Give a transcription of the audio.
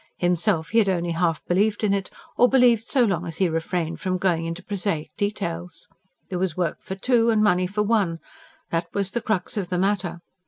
Himself he had only half believed in it; or believed so long as he refrained from going into prosaic details. There was work for two and money for one that was the crux of the matter.